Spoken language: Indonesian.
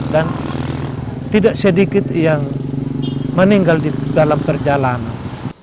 dan tidak sedikit yang meninggal di dalam perjalanan